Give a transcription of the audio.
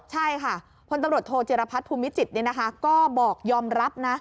ใช่ค่ะพลตำรวจโทจิรพัฒน์ภูมิจิตก็บอกยอมรับนะ